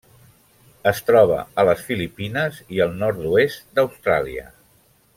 Es troba a les Filipines i el nord-oest d'Austràlia.